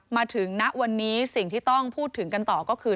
ณวันนี้สิ่งที่ต้องพูดถึงกันต่อก็คือ